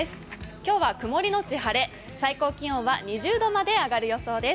今日は曇りのち晴れ、最高気温は２０度まで上がる予想です。